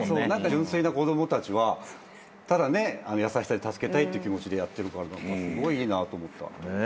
純粋な子供たちはただ優しさで助けたいって気持ちでやってるからすごいいいなと思った。